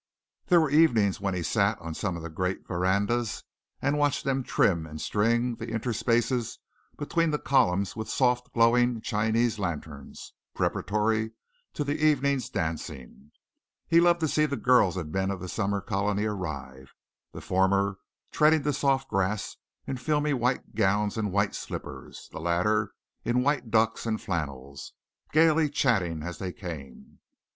There were evenings when he sat on some one of the great verandas and watched them trim and string the interspaces between the columns with soft, glowing, Chinese lanterns, preparatory to the evening's dancing. He loved to see the girls and men of the summer colony arrive, the former treading the soft grass in filmy white gowns and white slippers, the latter in white ducks and flannels, gaily chatting as they came.